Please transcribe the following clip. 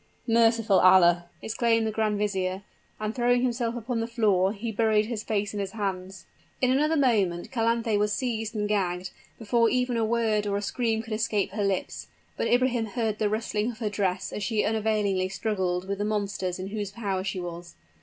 "Merciful Allah!" exclaimed the grand vizier; and throwing himself upon the floor, he buried his face in his hands. In another moment Calanthe was seized and gagged, before even a word or a scream could escape her lips; but Ibrahim heard the rustling of her dress as she unavailingly struggled with the monsters in whose power she was.